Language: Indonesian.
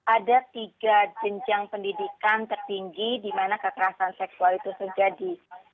ada tiga jenjang pendidikan tertinggi di mana kekerasan seksual itu terjadi